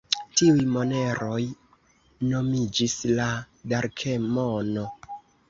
Tiuj moneroj nomiĝis la darkemono.